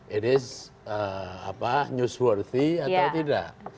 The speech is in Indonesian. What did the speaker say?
it is apa newsworthy atau tidak